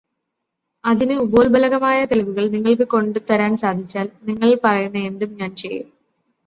അതിന് ഉപോൽബലകമായ തെളിവുകൾ നിങ്ങൾക്ക് കൊണ്ടു തരാൻ സാധിച്ചാൽ, നിങ്ങൾ പറയുന്ന എന്തും ഞാൻ ചെയ്യും.